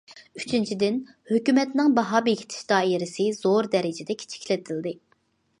ئۈچىنچىدىن، ھۆكۈمەتنىڭ باھا بېكىتىش دائىرىسى زور دەرىجىدە كىچىكلىتىلدى.